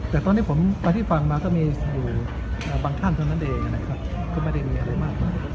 แต่ตอนนี้ผมไปที่ฟังมาก็มีอยู่บางท่านเท่านั้นเองนะครับก็ไม่ได้มีอะไรมาก